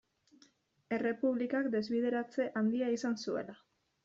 Errepublikak desbideratze handia izan zuela.